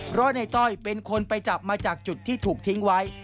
เพราะในต้อยเป็นคนไปจับมาจากจุดที่ถูกทิ้งไว้